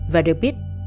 và được biết